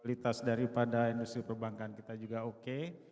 kualitas daripada industri perbankan kita juga oke